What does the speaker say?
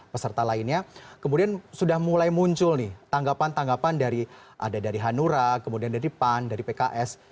peserta lainnya kemudian sudah mulai muncul nih tanggapan tanggapan dari ada dari hanura kemudian dari pan dari pks